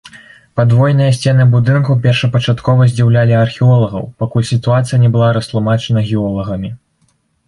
Падвойныя сцены будынкаў першапачаткова здзіўлялі археолагаў, пакуль сітуацыя не была растлумачана геолагамі.